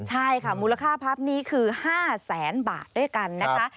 ใช่ค่ะมูลค่าพับนี้คือ๕แสนบาทด้วยกันนะคะ